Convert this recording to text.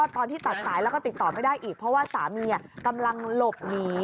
ตอนที่ตัดสายแล้วก็ติดต่อไม่ได้อีกเพราะว่าสามีกำลังหลบหนี